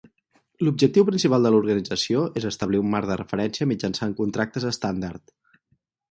L'objectiu principal de l'organització és establir un marc de referència mitjançant contractes estàndard.